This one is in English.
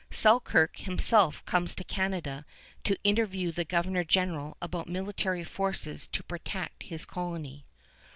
Selkirk himself comes to Canada to interview the Governor General about military forces to protect his colony.